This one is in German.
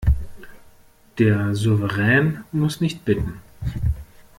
Der Souverän muss nicht bitten.